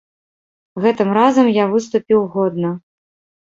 Гэтым разам я выступіў годна.